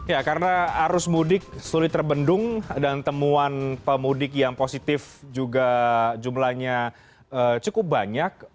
ya karena arus mudik sulit terbendung dan temuan pemudik yang positif juga jumlahnya cukup banyak